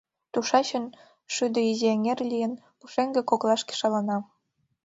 Тушечын, шӱдӧ изи эҥер лийын, пушеҥге коклашке шалана.